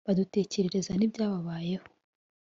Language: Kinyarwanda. badutekerereza n’iby’ababayeho,